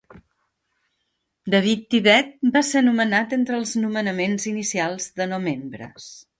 David Tibet va ser nomenat entre els nomenaments inicials de no membres.